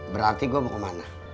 berarti gua mau kemana